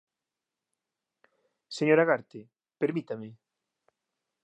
Señora Garte, permítame.